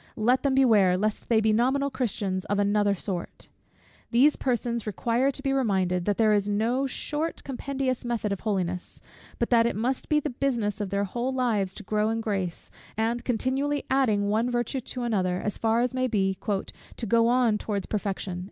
Let them beware lest they be nominal Christians of another sort._ These persons require to be reminded, that there is no short compendious method of holiness: but that it must be the business of their whole lives to grow in grace, and continually adding one virtue to another, as far as may be, "to go on towards perfection."